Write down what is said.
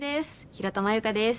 平田真優香です。